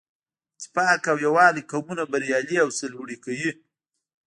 اتفاق او یووالی قومونه بریالي او سرلوړي کوي.